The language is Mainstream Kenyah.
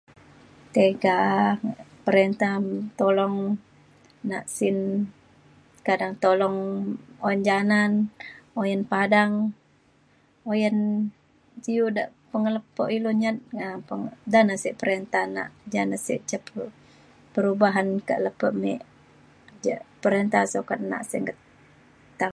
Tiga perinta tolong nak sin kadang tolong un janan uyen padang uyen iu de pengelepo ilu nyat da na sek perinta nak ja na sek ca peru- perubahan kak lepo me ja perinta sukat nak singget tau